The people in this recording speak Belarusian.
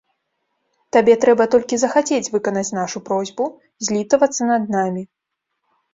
Табе трэба толькі захацець выканаць нашу просьбу, злітавацца над намі.